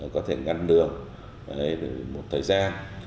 có thể ngăn đường một thời gian